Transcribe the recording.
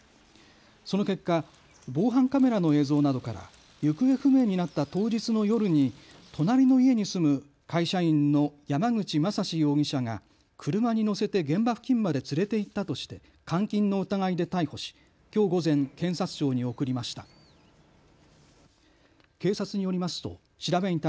その結果、防犯カメラの映像などから行方不明になった当日の夜に隣の家に住む会社員の山口正司容疑者が車に乗せて現場付近まで連れて行ったとして監禁の疑いで逮捕し、きょう午前、検察庁に送りました。